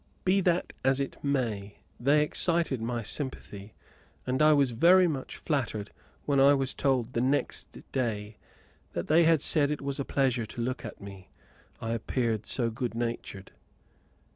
Be that as it may, they excited my sympathy, and I was very much flattered when I was told the next day that they said it was a pleasure to look at me, I appeared so good natured.